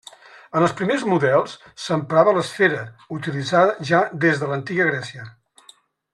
En els primers models s'emprava l'esfera, utilitzada ja des de l'Antiga Grècia.